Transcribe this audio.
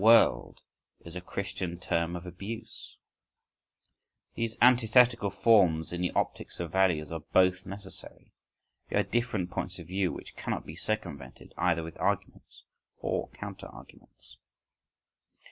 "World" is a Christian term of abuse. These antithetical forms in the optics of values, are both necessary: they are different points of view which cannot be circumvented either with arguments or counter arguments.